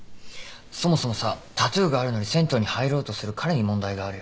そもそもさタトゥーがあるのに銭湯に入ろうとする彼に問題があるよ。